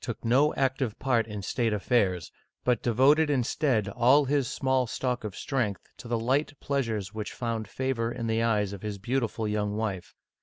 took no active part in state affairs, but de voted instead all his small stock of strength to the light pleasures which found favor in the eyes of his beautiful young wife.